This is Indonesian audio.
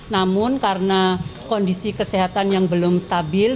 namun karena kondisi kesehatan yang belum stabil